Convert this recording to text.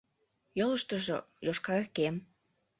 Йолыштыжо — йошкар кем